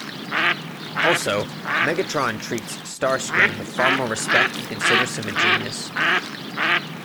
Also, Megatron treats Starscream with far more respect and considers him a genius.